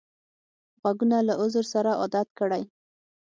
غوږونه له عذر سره عادت کړی